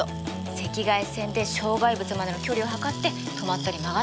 赤外線で障害物までの距離を測って止まったり曲がったりするの。